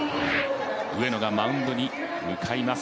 上野がマウンドに向かいます。